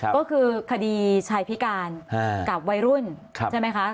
ก็คือคดีชายพิการกับวัยรุ่นใช่ไหมคะ